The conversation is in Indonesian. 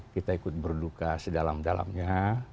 kita ikut berduka sedalam dalamnya